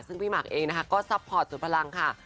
ซึ่งพี่หมากเองนะคะก็ซัพพอร์ตสุดพลังค่ะ